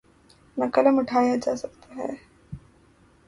نہ قلم اٹھایا جا سکتا ہے۔